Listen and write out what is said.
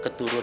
emak tau kan